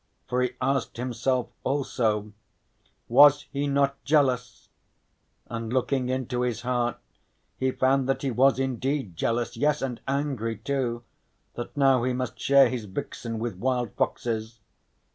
For he asked himself also: "Was he not jealous?" And looking into his heart he found that he was indeed jealous, yes, and angry too, that now he must share his vixen with wild foxes.